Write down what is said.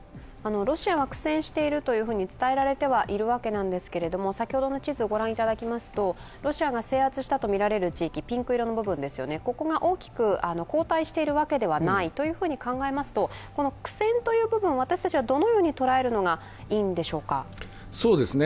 ロシアが苦戦していると伝えられてはいるわけなんですが、先ほどの地図ご覧いただきますと、ロシアが制圧したとみられる地域ピンク色の部分が大きく後退しているわけではこいと考えますと苦戦という部分、私たちはどのように捉えるのがいいんでしょうか。